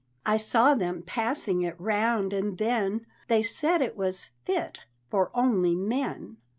"I saw them passing it round, and then They said it was fit for only men!